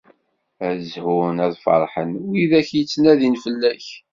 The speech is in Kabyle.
Ad zhun, ad feṛḥen wid akk yettnadin fell-ak.